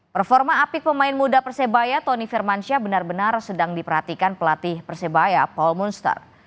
performa apik pemain muda persebaya tony firmansyah benar benar sedang diperhatikan pelatih persebaya paul monster